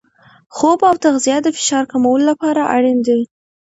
خوب او تغذیه د فشار کمولو لپاره اړین دي.